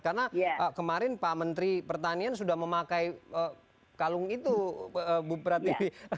karena kemarin pak menteri pertanian sudah memakai kalung itu bu pratibi